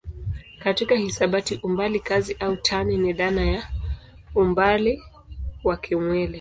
Katika hisabati umbali kazi au tani ni dhana ya umbali wa kimwili.